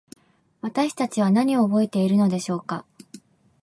私たちは何を覚えているのでしょうか。